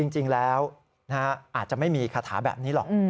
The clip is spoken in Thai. จริงแล้วอาจจะไม่มีคาถาแบบนี้หรอก